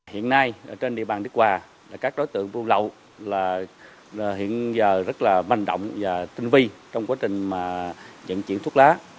hiện nay trên địa bàn đức hòa là các đối tượng buôn lậu hiện giờ rất là manh động và tinh vi trong quá trình dẫn chuyển thuốc lá